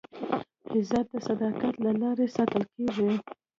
عزت د صداقت له لارې ساتل کېږي.